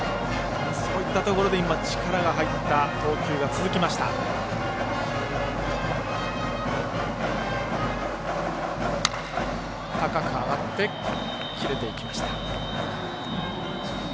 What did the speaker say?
そういったところで力が入った投球が続きました。